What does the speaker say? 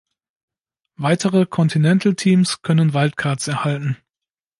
Weitere Continental Teams können Wildcards erhalten.